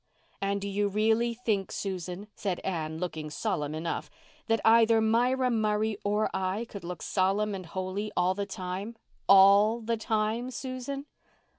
"And do you really think, Susan," said Anne, looking solemn enough, "that either Myra Murray or I could look solemn and holy all the time—all the time, Susan?"